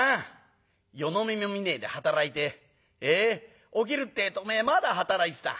夜の目も見ねえで働いて起きるってえとおめえまだ働いてた。